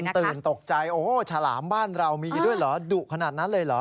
ตื่นตกใจโอ้โหฉลามบ้านเรามีด้วยเหรอดุขนาดนั้นเลยเหรอ